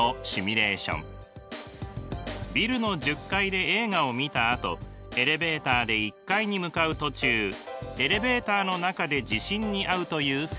ビルの１０階で映画を見たあとエレベーターで１階に向かう途中エレベーターの中で地震にあうという設定です。